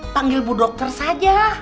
panggil bu dokter saja